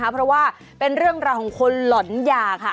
เพราะเป็นเรื่องราวของคนหล่นหญ้า